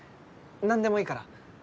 何でもいいから。